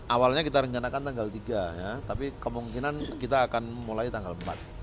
awalnya kita rencanakan tanggal tiga ya tapi kemungkinan kita akan mulai tanggal empat